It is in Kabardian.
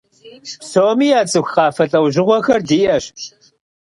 Псоми яцӀыху къафэ лӀэужьыгъуэхэр диӀэщ.